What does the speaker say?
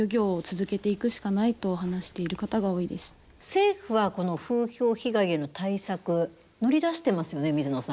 政府は風評被害への対策乗り出してますよね、水野さん。